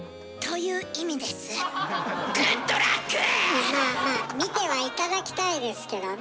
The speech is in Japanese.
まあまあ見ては頂きたいですけどね。